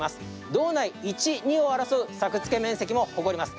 道内１、２位を争う作付面積も誇ります。